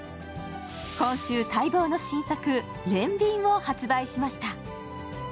今週、待望の新作「憐憫」を発売しました。